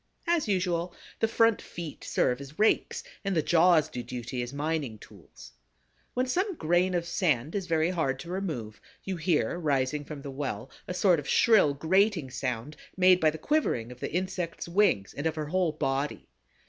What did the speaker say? As usual, the front feet serve as rakes and the jaws do duty as mining tools. When some grain of sand is very hard to remove, you hear rising from the well a sort of shrill grating sound made by the quivering of the insect's wings and of her whole body.